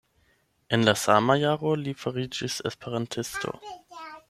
En la sama jaro li fariĝis esperantisto.